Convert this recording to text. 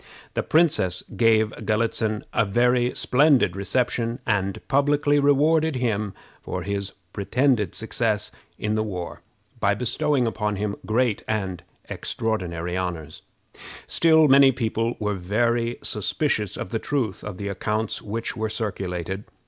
The princess gave Galitzin a very splendid reception, and publicly rewarded him for his pretended success in the war by bestowing upon him great and extraordinary honors. Still many people were very suspicious of the truth of the accounts which were circulated.